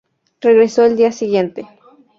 Regresó el día siguiente.